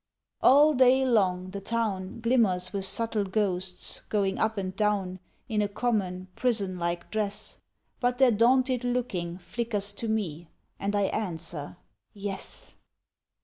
All day long, the town Glimmers with subtle ghosts Going up and down In a common, prison like dress; But their daunted looking flickers To me, and I answer, Yes!